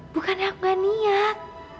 bukan aku gak niat